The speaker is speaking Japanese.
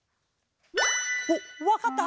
おっわかった？